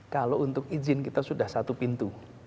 kalau untuk izin kita sudah satu pintu